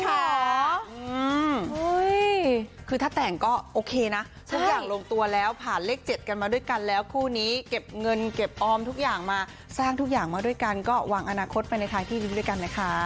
คือถ้าแต่งก็โอเคนะทุกอย่างลงตัวแล้วผ่านเลข๗กันมาด้วยกันแล้วคู่นี้เก็บเงินเก็บออมทุกอย่างมาสร้างทุกอย่างมาด้วยกันก็วางอนาคตไปในทางที่ดีด้วยกันนะคะ